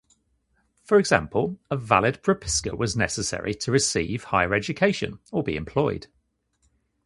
For example, a valid "propiska" was necessary to receive higher education or be employed.